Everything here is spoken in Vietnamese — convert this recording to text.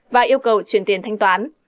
và yêu cầu chuyển tiền thanh toán